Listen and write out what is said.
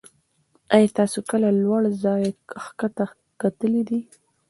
ایا تاسې کله له لوړ ځایه کښته کتلي دي؟